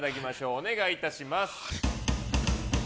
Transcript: お願いいたします。